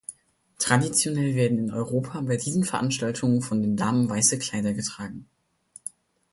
Traditionell werden in Europa bei diesen Veranstaltungen von den Damen weiße Kleider getragen.